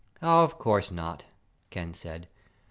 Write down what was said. "Of course not," Ken said.